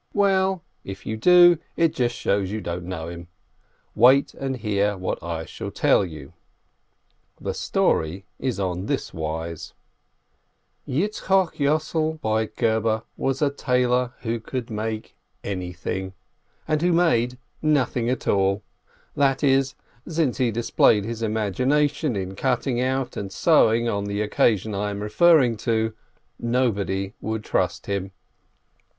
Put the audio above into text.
Well, if you do, it just shows you didn't know him! Wait and hear what I shall tell you. The story is on this wise : Yitzchok Yossel Broitgeber was a tailor who could make anything, and who made nothing at all, that is, since he displayed his imagina tion in cutting out and sewing on the occasion I am referring to, nobody would trust him.